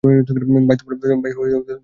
ভাই তোমার কারনে চুপ করে যাই, প্রতিবার।